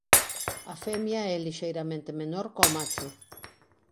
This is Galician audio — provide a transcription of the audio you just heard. A femia é lixeiramente menor có macho.